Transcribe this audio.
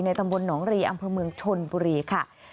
ตำบลหนองรีอำเภอเมืองชนบุรีค่ะ